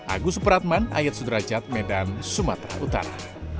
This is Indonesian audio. agus supratman ayat sudrajat medan sumatera utara